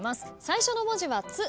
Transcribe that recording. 最初の文字は「つ」